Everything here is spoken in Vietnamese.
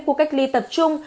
khu cách ly tập trung